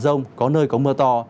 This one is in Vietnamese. trong mưa rông có nơi có mưa to